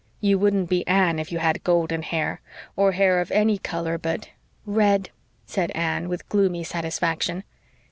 You wouldn't be ANNE if you had golden hair or hair of any color but" "Red," said Anne, with gloomy satisfaction.